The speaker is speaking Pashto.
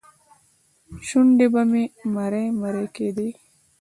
شونډې به مې مرۍ مرۍ کېدې.